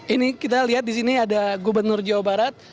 ini kita lihat di sini ada gubernur jawa barat